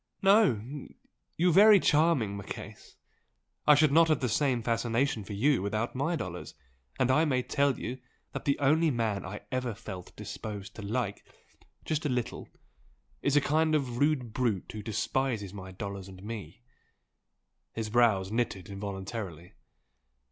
No, you very charming Marchese! I should not have the same fascination for you without my dollars! and I may tell you that the only man I ever felt disposed to like, just a little, is a kind of rude brute who despises my dollars and me!" His brows knitted involuntarily.